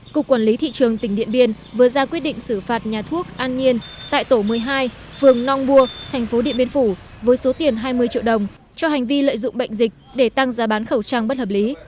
cục quản lý thị trường tỉnh điện biên vừa ra quyết định xử phạt nhà thuốc an nhiên tại tổ một mươi hai phường nong bua thành phố điện biên phủ với số tiền hai mươi triệu đồng cho hành vi lợi dụng bệnh dịch để tăng giá bán khẩu trang bất hợp lý